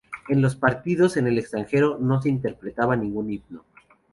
En los partidos en el extranjero, no se interpretaba ningún himno.